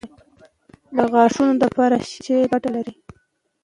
د غاښونو دپاره شين چای ګټه لري